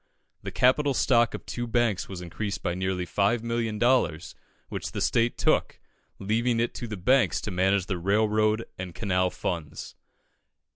The capital stock of two banks was increased by nearly 5,000,000 dollars, which the State took, leaving it to the banks to manage the railroad and canal funds.